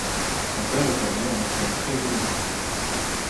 Son père et sa mère l'entraînent très jeune au cricket.